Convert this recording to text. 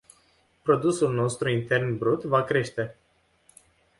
Produsul nostru intern brut va crește.